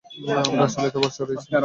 আমার আসলেই এতে ভরসা রয়েছে।